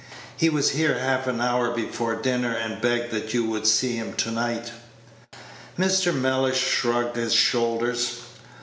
He was here half an hour before dinner, and begged that you would see him to night." Mr. Mellish shrugged his shoulders.